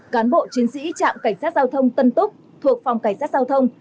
cán bộ chiến sĩ trạm cảnh sát giao thông tân túc thuộc phòng cảnh sát giao thông